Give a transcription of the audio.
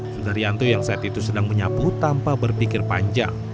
sudaryanto yang saat itu sedang menyapu tanpa berpikir panjang